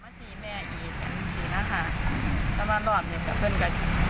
นี่ถนาหรอก๒โรคนี้เป็นโรคทั้ง๓